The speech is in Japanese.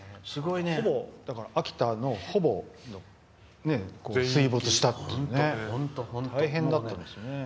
秋田がほぼ水没したという大変だったみたいですね。